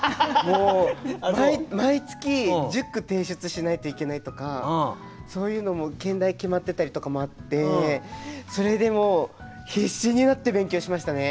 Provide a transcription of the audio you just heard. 毎月１０句提出しないといけないとかそういうのも兼題決まってたりとかもあってそれでもう必死になって勉強しましたね。